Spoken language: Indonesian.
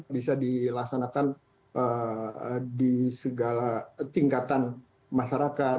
bisa dilaksanakan di segala tingkatan masyarakat